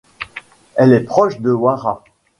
Elle est proche du wara.